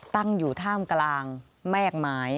ตั้งอยู่ท่ามกลางแม่กไม้